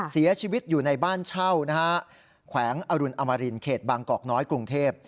เสียชีวิตอยู่ในบ้านเช่านะฮะแขวงอรุณอมรินเขตบางกอกน้อยกรุงเทพ